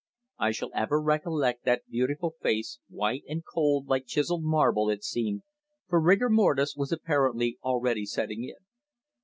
I shall ever recollect that beautiful face, white and cold like chiselled marble it seemed, for rigor mortis was apparently already setting in.